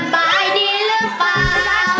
บายดีหรือเปล่า